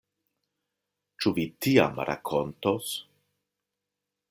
Ĉu vi tiam rakontos?